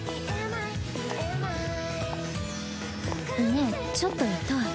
ねえちょっと痛い。